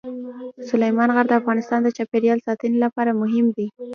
سلیمان غر د افغانستان د چاپیریال ساتنې لپاره مهم دي.